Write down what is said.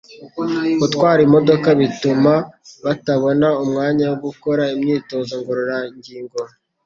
gutwara imodoka bituma batabona umwanya wo gukora imyitozo ngororangingo